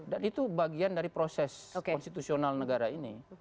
dan itu bagian dari proses konstitusional negara ini